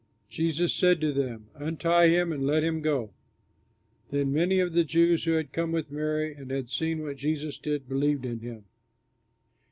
Jesus said to them, "Untie him and let him go." Then many of the Jews who had come with Mary and had seen what Jesus did, believed in him.